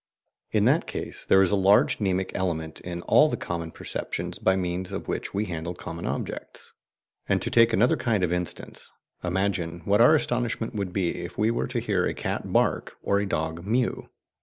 In that case there is a large mnemic element in all the common perceptions by means of which we handle common objects. And, to take another kind of instance, imagine what our astonishment would be if we were to hear a cat bark or a dog mew.